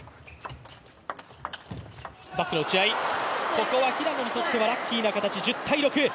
ここは平野にとってはラッキーな形。